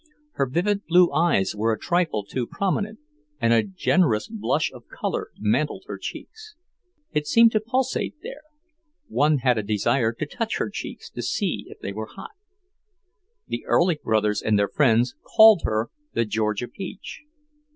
Her vivid blue eyes were a trifle too prominent, and a generous blush of colour mantled her cheeks. It seemed to pulsate there, one had a desire to touch her cheeks to see if they were hot. The Erlich brothers and their friends called her "the Georgia peach."